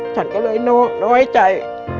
ฉันก็เลยโน้นไว้ใจ